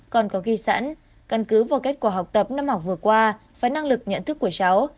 còn có ghi sẵn căn cứ vào kết quả học tập năm học vừa qua và năng lực nhận thức của cháu